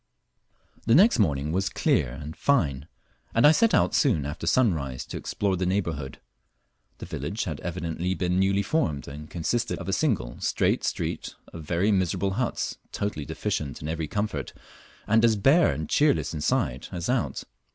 The next morning was clear and fine, and I set out soon after sunrise to explore the neighbourhood. The village had evidently been newly formed, and consisted of a single straight street of very miserable huts totally deficient in every comfort, and as bare and cheerless inside as out.